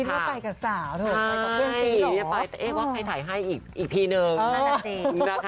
กินกายใต้กับสาเหรอนะงั้นไปเอ๊ะว่าใครถ่ายให้อีกที่นึงนะคะ